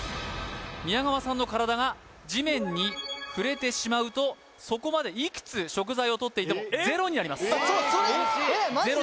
宮川さんの体が地面に触れてしまうとそこまでいくつ食材をとっていてもゼロになりますえ